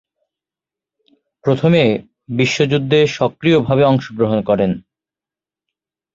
প্রথমে বিশ্বযুদ্ধে সক্রিয়ভাবে অংশগ্রহণ করেন।